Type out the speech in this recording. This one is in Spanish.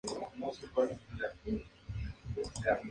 Flores de color rojo profundo.